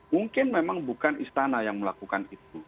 mungkin memang bukan istana yang melakukan itu